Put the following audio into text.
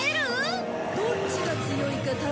どっちが強いか試して。